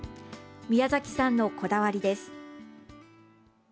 宮崎さんのこだわりです。